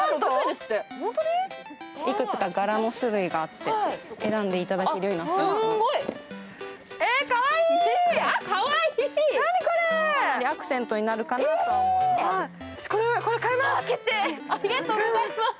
幾つか柄も種類があって、選んでいただけるようになってます。